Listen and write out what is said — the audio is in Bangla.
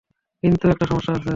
কিন্তু, - একটা সমস্যা আছে।